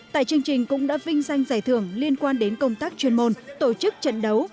tại chương trình cũng đã vinh danh giải thưởng liên quan đến công tác chuyên môn tổ chức trận đấu